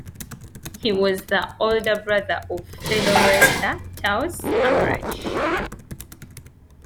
He was the older brother of fellow writer Taos Amrouche.